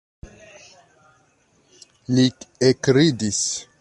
Li ekridis.